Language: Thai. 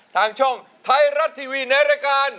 ทางช่องไทยรัฐทีวีในรายการ